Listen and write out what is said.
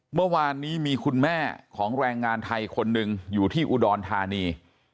เมื่อวานนี้มีคุณแม่ของแรงงานไทยคนหนึ่งอยู่ที่อุดรธานี